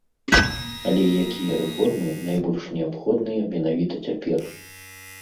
Але якія рэформы найбольш неабходныя менавіта цяпер?